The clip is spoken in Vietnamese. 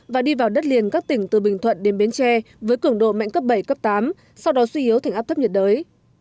và đi vào đất liền các tỉnh từ bình thuận đến bến tre với cường độ mạnh cấp bảy cấp tám sau đó suy yếu thành áp thấp nhiệt đới